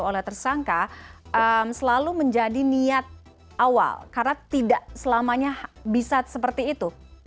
oleh tersangka selalu menjadi niat awal karena tidak selamanya bisa seperti itu